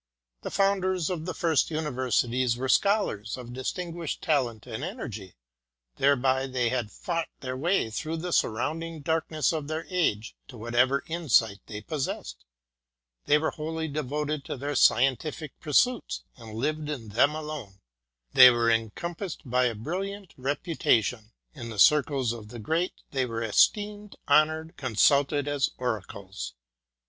The founders of the first universities were Scholars of distinguished talent and energy, whereby they had fought their way through the surrounding darkness of their age to whatever insight they possessed ; they were wholly devoted to their scientific pursuits, and lived in them alone; they were encompassed by a brilliant reputation; in the circles of the great they were esteemed, honoured, consulted as oracles.